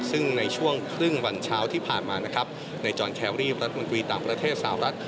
ซึ่งในช่วงครึ่งวันเช้าที่ผ่านมานะครับในจอนแครรี่รัฐมนตรีต่างประเทศสาวรัฐ